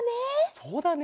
そうだね。